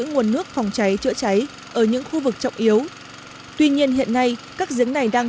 nguồn nước phòng cháy chữa cháy ở những khu vực trọng yếu tuy nhiên hiện nay các giếng này đang